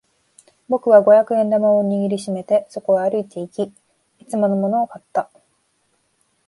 僕は五百円玉を握り締めてそこへ歩いていき、いつものものを買った。